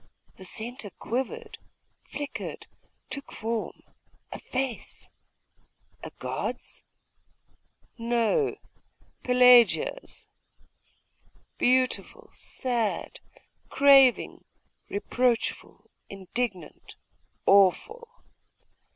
The centre quivered, flickered, took form a face. A god's? No Pelagia's. Beautiful, sad, craving, reproachful, indignant, awful....